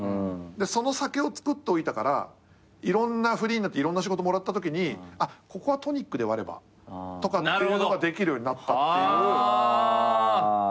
でその酒をつくっておいたからフリーになっていろんな仕事もらったときにここはトニックで割ればとかっていうのができるようになったっていう感覚。